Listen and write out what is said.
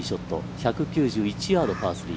１９１ヤード、パー３。